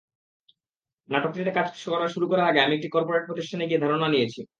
নাটকটিতে কাজ শুরু করার আগে আমি একটি করপোরেট প্রতিষ্ঠানে গিয়ে ধারণা নিয়েছি।